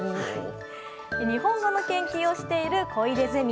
日本語の研究をしている小出ゼミ。